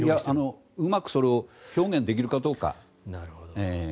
うまくそれを表現できるかどうか。